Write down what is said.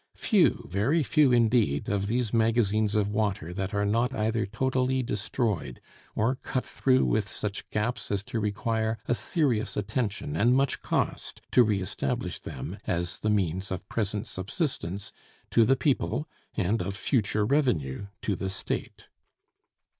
Few, very few indeed, of these magazines of water that are not either totally destroyed, or cut through with such gaps as to require a serious attention and much cost to re establish them, as the means of present subsistence to the people and of future revenue to the State.